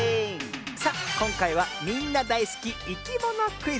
さあこんかいはみんなだいすきいきものクイズ。